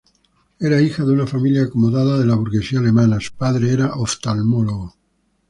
Era hija de una familia acomodada de la burguesía alemana, su padre era oftalmólogo.